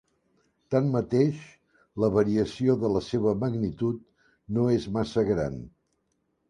Tanmateix la variació de la seva magnitud no és massa gran.